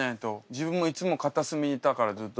自分もいつも片隅いたからずっと。